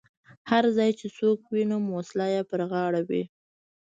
هر ځای چې څوک وینم وسله یې پر غاړه وي.